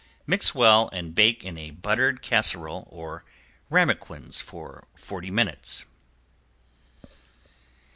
Mix well and bake in a buttered casserole or ramequins for forty minutes.